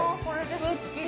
すっきり。